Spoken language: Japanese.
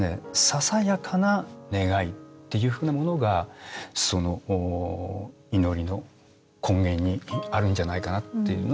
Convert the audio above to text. ささやかな願いっていうふうなものがその祈りの根源にあるんじゃないかなっていうのを私は思うんですね。